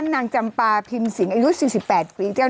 ยังไม่ได้ตอบรับหรือเปล่ายังไม่ได้ตอบรับหรือเปล่า